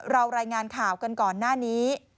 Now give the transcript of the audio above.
รายงานข่าวกันก่อนหน้านี้